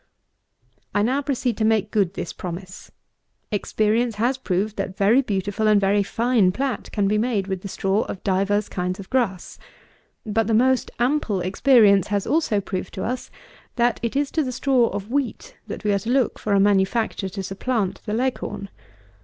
I now proceed to make good this promise. Experience has proved that very beautiful and very fine plat can be made of the straw of divers kinds of grass. But the most ample experience has also proved to us that it is to the straw of wheat, that we are to look for a manufacture to supplant the Leghorn.